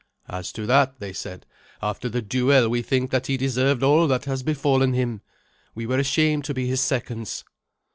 "As to that," they said, "after the duel we think that he deserved all that has befallen him. We were ashamed to be his seconds."